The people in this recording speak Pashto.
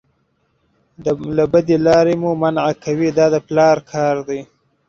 له بدې لارې مو منع کوي دا د پلار کار دی.